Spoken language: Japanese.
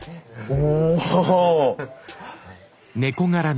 お。